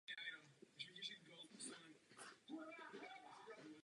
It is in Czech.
Jeho ostatky jsou uloženy do hrobky rodiny své manželky.